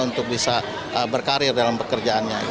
untuk bisa berkarir dalam pekerjaannya